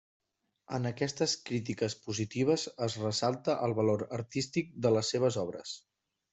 En aquestes crítiques positives es ressalta el valor artístic de les seves obres.